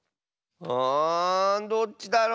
あどっちだろ？